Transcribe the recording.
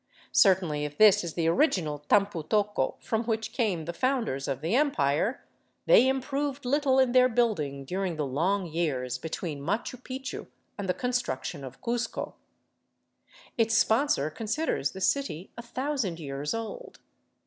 Certainly, if this is the original Tampu Tocco from which came the founders of the Empire, they improved little in their building during the long years between Machu Picchu and the construction of Cuzco. Its sponsor considers the city a thousand years old.